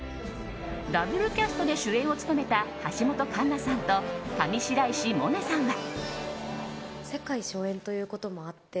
ダブルキャストで主演を務めた橋本環奈さんと上白石萌音さんは。